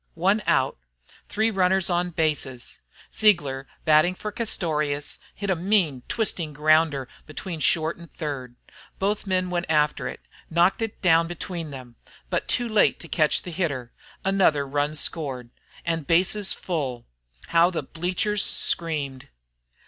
One out, three runners on bases! Ziegler, batting for Castorious, hit a mean, twisting grounder between short and third. Both men went after it, knocked it down between them, but too late to catch the hitter. Another run scored, and the bases full! How the bleachers screamed!